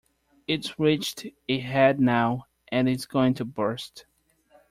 It's reached a head now and is going to burst!